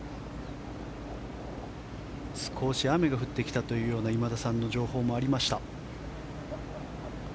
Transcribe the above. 少し雨が降ってきたというような今田さんの情報もありました。